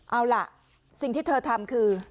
เอาล่ะสิ่งที่เธอทำคือ